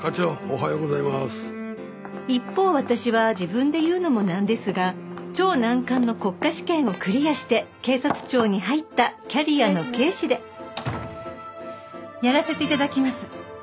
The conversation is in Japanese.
一方私は自分で言うのもなんですが超難関の国家試験をクリアして警察庁に入ったキャリアの刑事でやらせて頂きます。